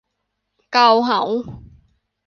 เกาเหา !